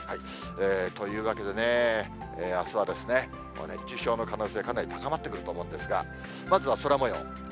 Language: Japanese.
というわけで、あすは熱中症の可能性、かなり高まってくると思うんですが、まずは空もよう。